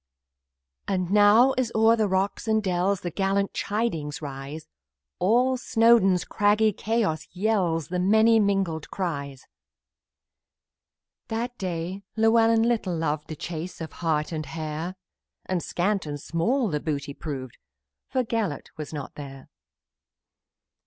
And now, as over rocks and dells, The gallant chidings rise, All Snowdon's craggy chaos yells With many mingled cries. That day Llewellyn little loved The chase of hart or hare, And small and scant the booty proved, For Gelert was not there.